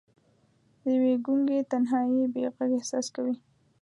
د یوې ګونګې تنهايۍ بې ږغ احساس کې